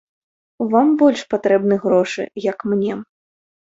Вам больш патрэбны грошы, як мне.